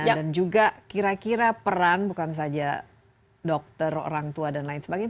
dan juga kira kira peran bukan saja dokter orang tua dan lain sebagainya